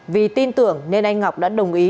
vì tin tưởng nên anh ngọc đã đồng ý